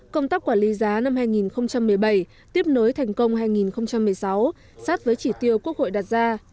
công tác quản lý giá năm hai nghìn một mươi bảy tiếp nối thành công hai nghìn một mươi sáu sát với chỉ tiêu quốc hội đặt ra